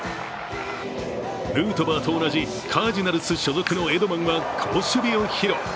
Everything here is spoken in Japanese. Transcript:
ヌートバーと同じカージナルス所属のエドマンは好守備を披露。